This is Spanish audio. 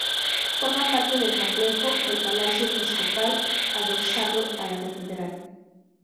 Forma parte del complejo el Palacio Episcopal, adosado a la catedral.